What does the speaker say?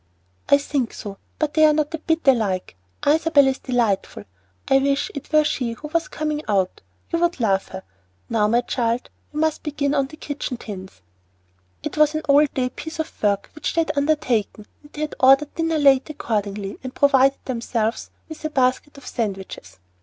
"I think so; but they are not a bit alike. Isabel is delightful. I wish it were she who was coming out. You would love her. Now, my child, we must begin on the kitchen tins." It was an all day piece of work which they had undertaken, and they had ordered dinner late accordingly, and provided themselves with a basket of sandwiches.